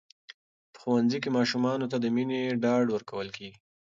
په ښوونځي کې ماشومانو ته د مینې ډاډ ورکول کېږي.